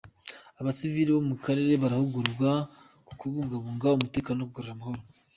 Abasivili bo mu karere barahugurwa ku kubungabunga umutekano no kugarura amahoro